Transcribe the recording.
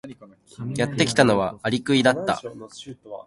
やってきたのはアリクイだった。